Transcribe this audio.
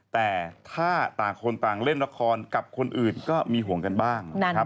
แต่ถ้าต่างคนต่างเล่นละครกับคนอื่นก็มีห่วงกันบ้างนะครับ